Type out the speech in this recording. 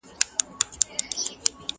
¬ خپل مال تر سترگو لاندي ښه دئ.